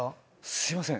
すいません！